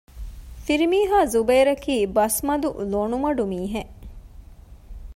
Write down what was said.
ފިރިމީހާ ޒުބައިރަކީ ބަސްމަދު ލޮނުމަޑު މީހެއް